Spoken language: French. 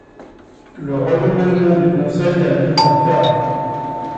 Le renouvellement du conseil a lieu par quart.